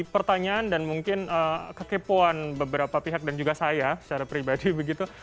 pertanyaan dan mungkin kekepoan beberapa pihak dan juga saya secara pribadi begitu